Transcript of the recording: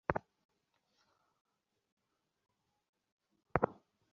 সেই মিল নিয়ে স্যারের সঙ্গে আমি কথা বলব।